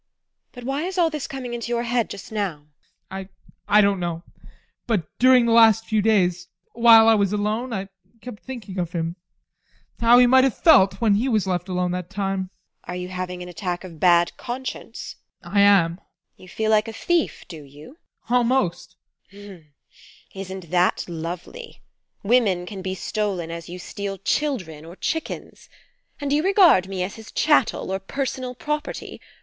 But why is all this coming into your head just now? ADOLPH. I don't know. But during the last few days, while I was alone, I kept thinking of him how he might have felt when he was left alone that time. TEKLA. Are you having an attack of bad conscience? ADOLPH. I am. TEKLA. You feel like a thief, do you? ADOLPH. Almost! TEKLA. Isn't that lovely! Women can be stolen as you steal children or chickens? And you regard me as his chattel or personal property.